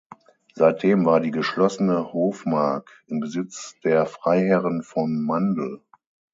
Seitdem war die geschlossene Hofmark im Besitz der Freiherren von Mandl.